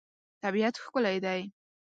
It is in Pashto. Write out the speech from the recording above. طبیعت ښکلی دی.